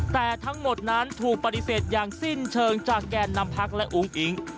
แต่ทั้งหมดนั้นถูกปฏิเสธอย่างสิ้นเชิงจากแก่นนำพักและอุ้งอิง